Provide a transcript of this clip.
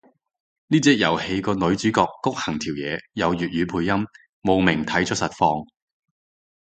呢隻遊戲個女主角谷恆條嘢有粵語配音，慕名睇咗實況